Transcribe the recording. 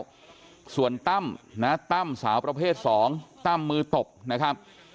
ส่วนตั้มนะตั้มสาวประเภทสองตั้มมือตบนะครับ